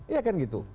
iya kan gitu